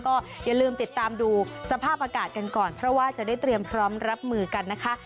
ก็อย่าลืมติดตามดูสภาพอากาศกันก่อนเพราะว่าจะได้เตรียมพร้อมรับมือกันนะคะ